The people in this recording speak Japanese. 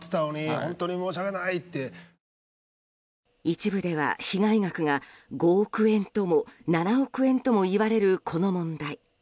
一部では被害額が５億円とも７億円ともいわれるこの問題。